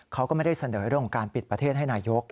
เขาก็ไม่ได้เสนอเรื่องของการปิดประเทศให้นายก